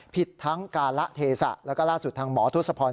ผิดทั้งการละเทศะแล้วก็ล่าสุดทางหมอทศพร